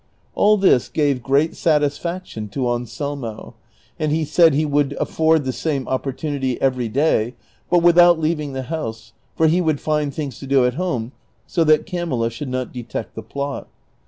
All this gave great satisfaction to Anselmo, and he said he would aiford the same opportunity evei'y day, but without leaving the house, for he would find things to do at home so that Camilla should not detect the plot.